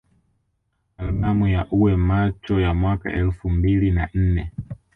Albamu ya Uwe Macho ya mwaka elfu mbili na nne